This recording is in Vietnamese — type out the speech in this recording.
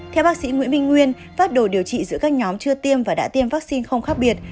theo bác sĩ nguyễn minh nguyên pháp đồ điều trị giữa các nhóm chưa tiêm và đã tiêm vaccine không khác biệt